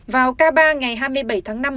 vào k ba ngày hai mươi bảy tháng năm